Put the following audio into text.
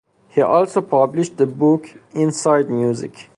He also published the book "Inside Music".